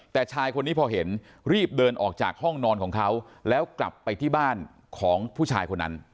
แต่ชายคนนี้พอเห็นรีบเดินออกจากห้องนอนของเขาแล้วกลับไปที่บ้านของผู้ชายคนนั้น